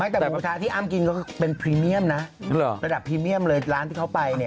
แต่หมูกระทะที่อ้ำกินก็เป็นพรีเมียมนะระดับพรีเมียมเลยร้านที่เขาไปเนี่ย